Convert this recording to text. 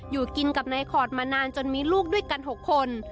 อยู่กินกับนายคอร์ดมานานจนมีลูกด้วยกัน๖คน